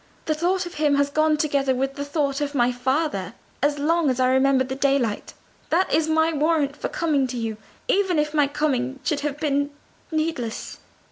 The thought of him has gone together with the thought of my father as long as I remember the daylight. That is my warrant for coming to you, even if my coming should have been needless.